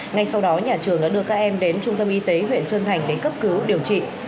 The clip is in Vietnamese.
ngay sau đó nhà trường đã đưa các em đến trung tâm y tế huyện trân thành để cấp cứu điều trị